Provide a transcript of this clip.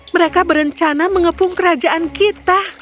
mereka berencana mengepung kerajaan kita